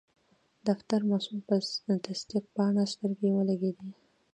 د فتر مسول په تصدیق پاڼه سترګې ولګیدې.